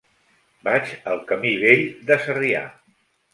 Vaig al camí Vell de Sarrià.